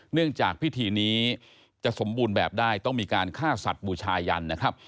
จากพิธีนี้จะสมบูรณ์แบบได้ต้องมีการฆ่าสัตว์บูชายันนะครับ